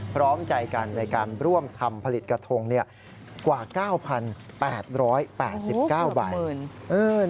พร้อมใจกันในการร่วมทำผลิตกระทงกว่า๙๘๘๙ใบ